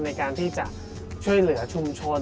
ในการที่จะช่วยเหลือชุมชน